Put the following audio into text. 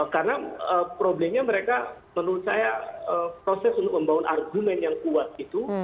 karena problemnya mereka menurut saya proses untuk membangun argumen yang kuat itu